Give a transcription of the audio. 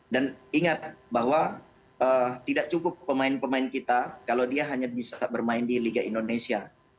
dan ingat bahwa tidak cukup pemain pemain kita kalau dia hanya bisa bermain di liga indonesia